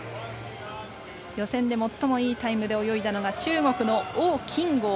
予選で最もいいタイムで泳いだのが中国の王金剛。